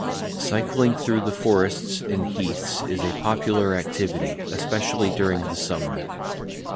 Cycling through the forests and heaths is a popular activity, especially during the summer.